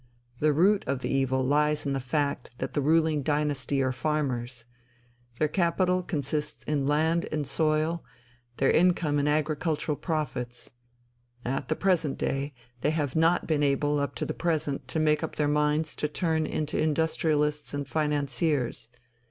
The root of the evil lies in the fact that the ruling dynasty are farmers; their capital consists in land and soil, their income in agricultural profits. At the present day.... They have not been able up to the present to make up their minds to turn into industrialists and financiers.